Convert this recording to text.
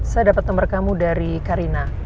saya dapat nomor kamu dari karina